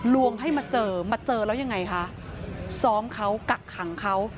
ลวงให้มาเจอมาเจอแล้วยังไงคะซ้อมเขากักขังเขา